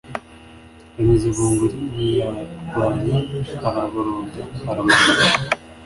Yamize bunguri ntiyarwanya araboroga aramanuka